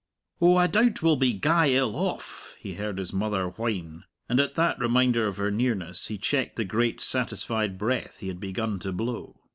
"Oh, I doubt we'll be gey ill off!" he heard his mother whine, and at that reminder of her nearness he checked the great, satisfied breath he had begun to blow.